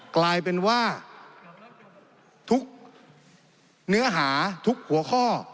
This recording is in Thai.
กลายเป็นว่าทุกเนื้อหาทุกหัวข้อ